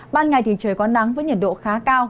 ban ngày thì trời có nắng với nhiệt độ khá cao